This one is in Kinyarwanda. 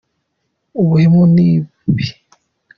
Ubuhemu ni bubi.